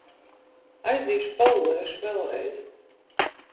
Aiziešu, palūrēšu vēlreiz...